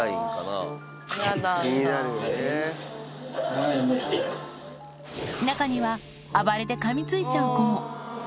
雷、中には暴れてかみついちゃう子も。